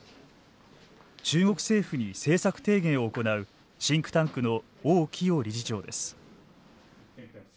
中国政府に政策提言を行うシンクタンクの王輝耀理事長です。